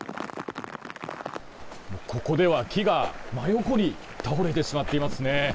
ここでは木が真横に倒れてしまっていますね。